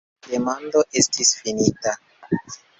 La demandado estis finita.